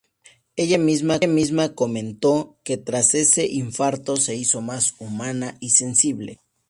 Ella misma comentó que tras ese infarto se hizo más humana y sensible.